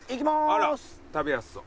あら食べやすそう。